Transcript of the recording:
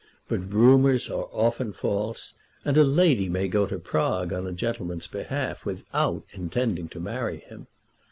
But rumours are often false, and a lady may go to Prague on a gentleman's behalf without intending to marry him.